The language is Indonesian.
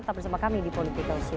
tetap bersama kami di politika usul